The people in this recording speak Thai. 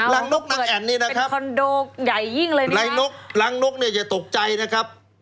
รังนกนางแอ่นนี่นะครับเป็นคอนโดใหญ่ยิ่งเลยนะครับรังนกรังนกเนี่ยจะตกใจนะครับ